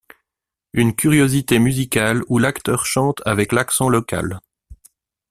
Une curiosité musicale où l'acteur chante avec l'accent local.